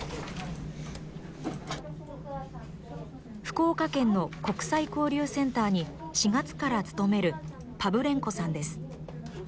福岡県の国際交流センターに４月から勤めるパブレンコさんです。